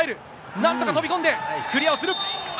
なんとか飛び込んでクリアする。